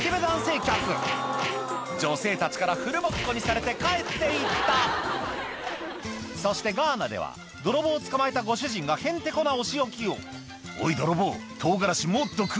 客女性たちからフルボッコにされて帰って行ったそしてガーナでは泥棒を捕まえたご主人がへんてこなお仕置きを「おい泥棒トウガラシもっと食え」